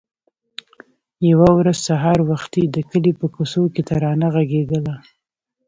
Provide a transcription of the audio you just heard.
يوه ورځ سهار وختي د کلي په کوڅو کې ترانه غږېدله.